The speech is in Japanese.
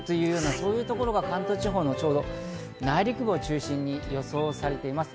そういうところが関東地方の内陸部を中心に予想されています。